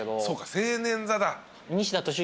そうか青年座だ。